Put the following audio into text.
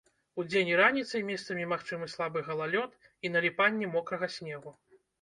Удзень і раніцай месцамі магчымы слабы галалёд і наліпанне мокрага снегу.